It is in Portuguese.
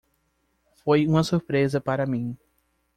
Foi uma surpresa para mim.